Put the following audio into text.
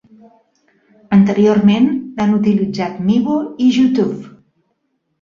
Anteriorment l'han utilitzat Meebo i YouTube.